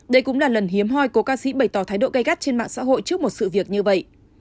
đây cũng là lần hiếm hoi cố ca sĩ bày tỏ thái độ gây gắt trên mạng xã hội trước một sự việc như vậy